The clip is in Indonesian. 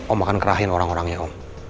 om makan kerahin orang orangnya om